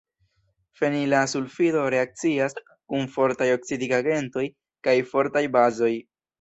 Fenila sulfido reakcias kun fortaj oksidigagentoj kaj fortaj bazoj.